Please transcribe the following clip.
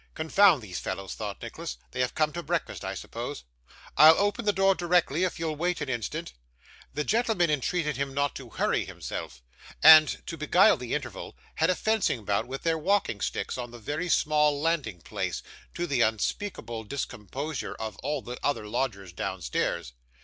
'Confound these fellows!' thought Nicholas; 'they have come to breakfast, I suppose. I'll open the door directly, if you'll wait an instant.' The gentlemen entreated him not to hurry himself; and, to beguile the interval, had a fencing bout with their walking sticks on the very small landing place: to the unspeakable discomposure of all the other lodgers downstairs.